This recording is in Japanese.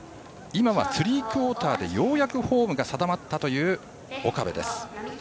今はスリークオーターでようやくフォームが定まったという岡部です。